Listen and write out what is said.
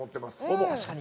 ほぼ。